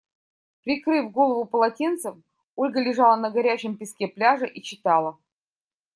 Прикрыв голову полотенцем, Ольга лежала на горячем песке пляжа и читала.